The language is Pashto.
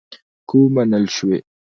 که ومنل شوې.